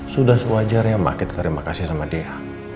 sudah sewajarnya mak kita terima kasih sama dia